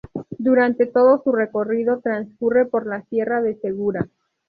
Durante todo su recorrido transcurre por la Sierra de Segura.